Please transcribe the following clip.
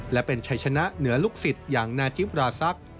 และเป็นชัยชนะเหนือลูกศิษย์อย่างนาทิพย์ราซัก